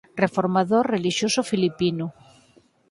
Reformador relixioso filipino.